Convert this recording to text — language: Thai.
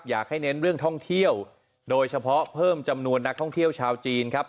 เน้นเรื่องท่องเที่ยวโดยเฉพาะเพิ่มจำนวนนักท่องเที่ยวชาวจีนครับ